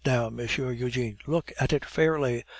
now, Monsieur Eugene, look at it fairly.